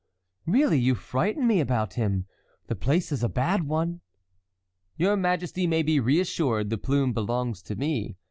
Really, you frighten me about him; the place is a bad one." "Your majesty may be reassured; the plume belongs to me.